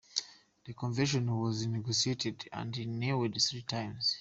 The convention was renegotiated and renewed three times.